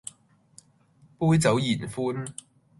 杯酒言歡